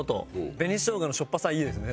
紅しょうがのしょっぱさいいですね。